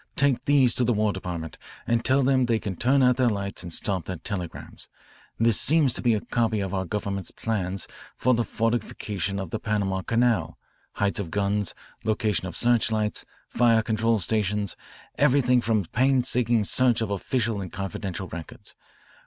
Take these to the War Department and tell them they can turn out their lights and stop their telegrams. This seems to be a copy of our government's plans for the fortification of the Panama Canal, heights of guns, location of searchlights, fire control stations, everything from painstaking search of official and confidential records.